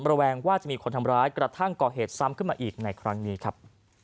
แวงว่าจะมีคนทำร้ายกระทั่งก่อเหตุซ้ำขึ้นมาอีกในครั้งนี้ครับ